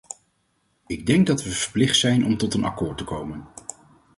Ik denk dat we verplicht zijn om tot een akkoord te komen.